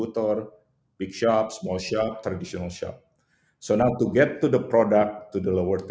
tapi saya pikir arip ketika kita membicarakan evermost kita tidak bisa berlari dari